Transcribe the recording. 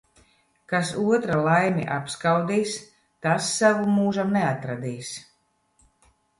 Kas otra laimi apskaudīs, tas savu mūžam neatradīs.